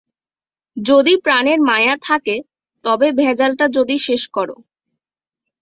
যদি প্রাণের মায়া থাকে, তবে ভ্যাজালটা জলদি শেষ করো।